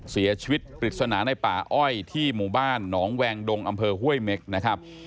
เสียชีวิตปริศนาในป่าอ้อยที่หมู่บ้านหนองแวงดงอำเภอห้วยเม็กนะครับ